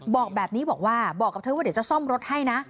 บอกแบบนี้บอกว่าบอกกับเธอว่าเดี๋ยวจะซ่อมรถให้นะ